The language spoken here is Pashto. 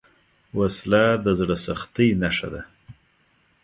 وسله د زړه سختۍ نښه ده